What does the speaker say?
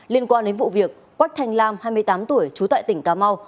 liên quan đến vụ việc quách thanh lam hai mươi tám tuổi trú tại tỉnh cà mau